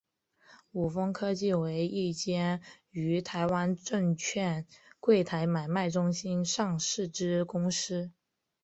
伍丰科技为一间于台湾证券柜台买卖中心上市之公司。